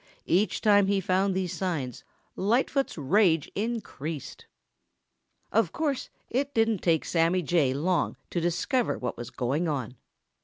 Each time he found these signs Lightfoot's rage increased. Of course it didn't take Sammy Jay long to discover what was going on.